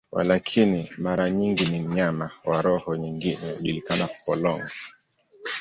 Walakini, mara nyingi ni mnyama wa roho nyingine inayojulikana, polong.